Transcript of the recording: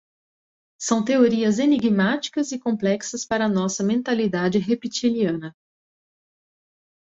São teorias enigmáticas e complexas para nossa mentalidade reptiliana